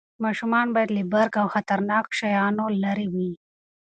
ماشومان باید له برق او خطرناکو شیانو لرې وي.